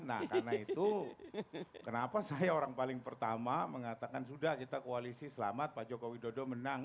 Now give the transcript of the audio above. nah karena itu kenapa saya orang paling pertama mengatakan sudah kita koalisi selamat pak jokowi dodo menang